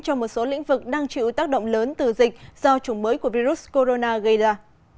cho một số lĩnh vực đang chịu tác động lớn từ dịch do chủng mới của virus corona gây ra